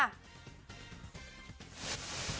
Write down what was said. โอ้โหต้นหอมบอกว่าที่เป็นแบบนี้เนี่ยนะคุณผู้ชมค่ะ